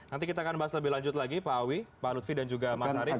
nanti kita akan bahas lebih lanjut lagi pak awi pak lutfi dan juga mas arief